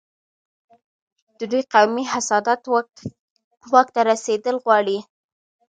د دوی قومي حسادت واک ته رسېدل غواړي.